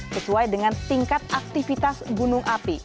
sesuai dengan tingkat aktivitas gunung api